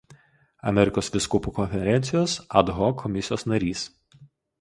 Amerikos vyskupų konferencijos "Ad hoc" komisijos narys.